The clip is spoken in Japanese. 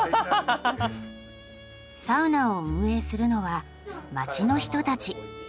サウナを運営するのは町の人たち。